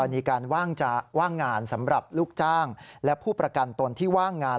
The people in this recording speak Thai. มีการว่างงานสำหรับลูกจ้างและผู้ประกันตนที่ว่างงาน